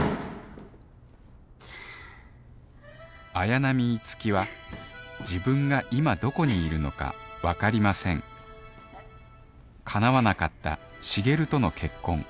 綾波樹は自分が今どこにいるのか分かりません叶わなかった重流との結婚。